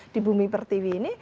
di bumi pertiwi ini